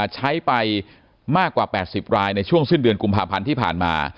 ใช้ไปมากกว่า๘๐รายในช่วงสิ้นเดือนกุมภาพันธ์ที่ผ่านมา